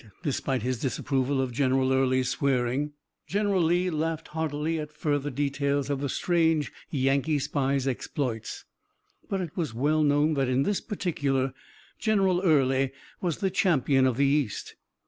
Despite his disapproval of General Early's swearing, General Lee laughed heartily at further details of the strange Yankee spy's exploits. But it was well known that in this particular General Early was the champion of the East.